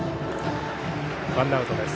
ワンアウト。